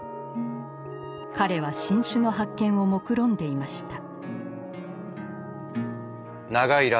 彼は新種の発見をもくろんでいました。